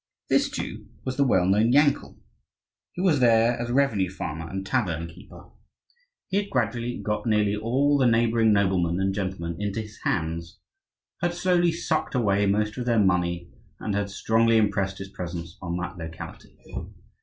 This Jew was the well known Yankel. He was there as revenue farmer and tavern keeper. He had gradually got nearly all the neighbouring noblemen and gentlemen into his hands, had slowly sucked away most of their money, and had strongly impressed his presence on that locality.